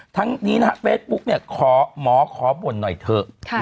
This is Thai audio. ทั้งนี้นะฮะเฟซบุ๊กเนี่ยขอหมอขอบ่นหน่อยเถอะ